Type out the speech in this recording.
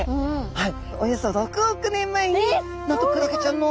はい。